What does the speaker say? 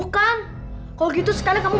kakak kasihan sama dev